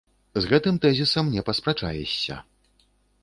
З гэтым тэзісам не паспрачаешся.